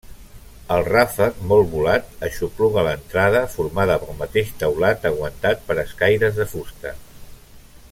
El ràfec, molt volat, aixopluga l'entrada, formada pel mateix teulat aguantat per escaires de fusta.